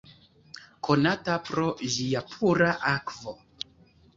Konata pro ĝia pura akvo.